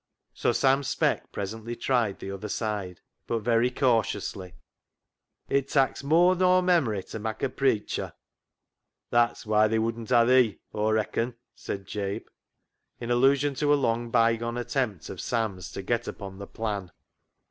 So Sam Speck presently tried the other side, but very cautiously —" It tak's moar nor memory to mak' a preicher." " That's why they wouldn't ha' thee, Aw reacon," said Jabe — in allusion to a long by gone attempt of Sam's to get upon the Plan.